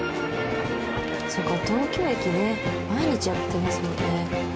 そうか東京駅ね毎日やってますもんね。